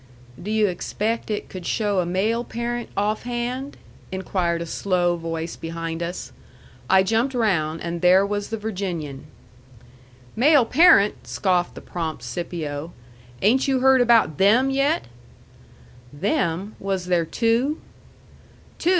"Do you expaict it could show a male parent offhand?" inquired a slow voice behind us. I jumped round, and there was the Virginian. "Male parent!" scoffed the prompt Scipio. "Ain't you heard about THEM yet?" "Them? Was there two?" "Two?